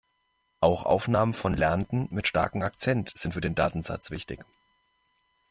Auch Aufnahmen von Lernenden mit starkem Akzent sind für den Datensatz wichtig.